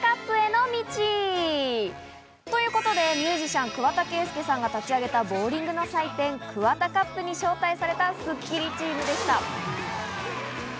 ＫＵＷＡＴＡＣＵＰへの道！ということでミュージシャン・桑田佳祐さんが立ち上げたボウリングの祭典、ＫＵＷＡＴＡＣＵＰに招待された、スッキリチームでした。